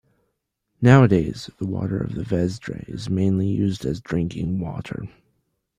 Nowadays, the water of the Vesdre is mainly used as drinking water.